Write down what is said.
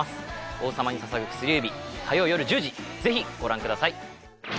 「王様に捧ぐ薬指」火曜夜１０時ぜひご覧ください！